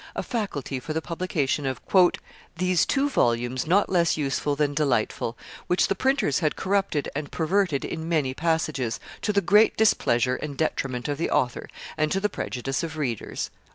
a faculty for the publication of "these two volumes not less useful than delightful, which the printers had corrupted and perverted in many passages, to the great displeasure and detriment of the author, and to the prejudice of readers."